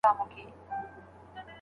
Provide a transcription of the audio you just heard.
دا عجيبه ده د شوق اور يې و لحد ته وړئ